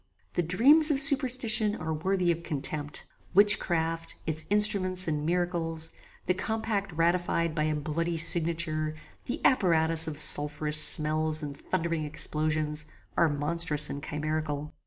The dreams of superstition are worthy of contempt. Witchcraft, its instruments and miracles, the compact ratified by a bloody signature, the apparatus of sulpherous smells and thundering explosions, are monstrous and chimerical.